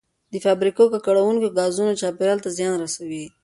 د فابریکو ککړونکي ګازونه چاپیریال ته زیان رسوي.